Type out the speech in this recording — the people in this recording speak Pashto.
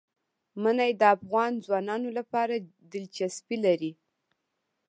منی د افغان ځوانانو لپاره دلچسپي لري.